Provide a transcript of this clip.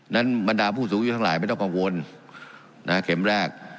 บรรดาผู้สูงอายุทั้งหลายไม่ต้องกังวลเข็มแรก